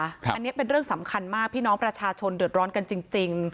อันนี้เป็นเรื่องสำคัญมากพี่น้องประชาชนเดือดร้อนกันจริง